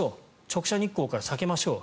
直射日光から避けましょう。